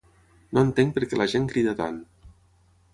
No entenc per què la gent crida tant.